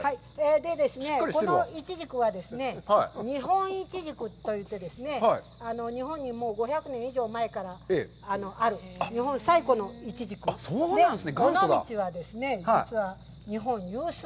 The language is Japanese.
でですね、このいちじくはですね、日本いちじくといって、日本にもう５００年以上前からある、日本最古のいちじくです。